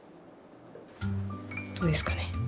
どうですかね？